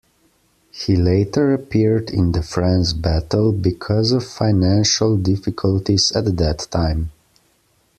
He later appeared in the "France Battle" because of financial difficulties at that time.